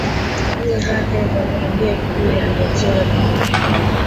katika mbio zake za kurejea ikulu ya nigeria